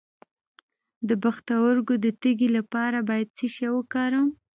د پښتورګو د تیږې لپاره باید څه شی وکاروم؟